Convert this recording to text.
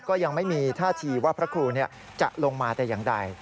ก็ยังไม่มีท่าทีว่าพระครูจะลงมาแต่อย่างใด